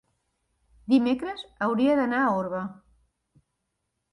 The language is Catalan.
Dimecres hauria d'anar a Orba.